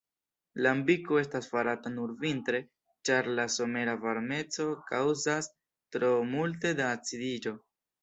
Lambiko estas farata nur vintre, ĉar la somera varmeco kaŭzas tro multe da acidiĝo.